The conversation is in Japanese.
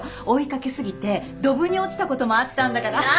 追いかけすぎてドブに落ちたこともあったんだから。